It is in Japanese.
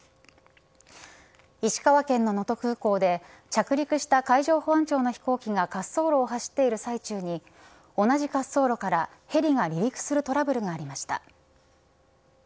石川県能登空港で着陸した海上保安庁の飛行機が滑走路を走っている際中に同じ滑走路からヘリが離陸するトラブルがありました。